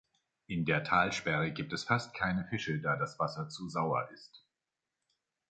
In der Talsperre gibt es fast keine Fische, da das Wasser zu sauer ist.